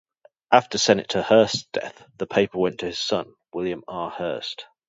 After Senator Hearst's death the paper went to his son, William R. Hearst.